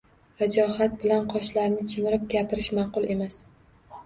Vajohat bilan qoshlarni chimirib gapirish ma’qul emas.